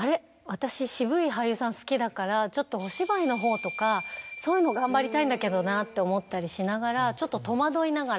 私渋い俳優さん好きだからちょっとお芝居のほうとかそういうの頑張りたいんだけどなって思ったりしながら。